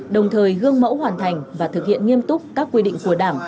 đồng thời gương mẫu hoàn thành và thực hiện nghiêm túc các quy định của đảng